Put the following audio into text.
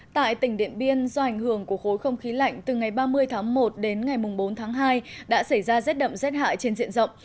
tại tỉnh điện biên do ảnh hưởng của khối không khí lạnh từ ngày ba mươi tháng một đến ngày bốn tháng hai đã xảy ra rét đậm rét hại trên diện rộng